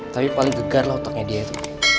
tapi paling gegar lah otaknya dia itu